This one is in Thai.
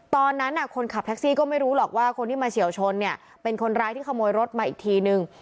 ตอนนั้นคนขับแท็กซี่ก็ไม่รู้หรอกว่าคนที่มาเฉียวชนเนี่ยเป็นคนร้ายที่ขโมยรถมาอีกทีนึง